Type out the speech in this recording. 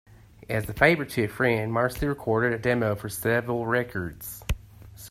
As a favor to a friend, Marcie recorded a demo for Seville Records.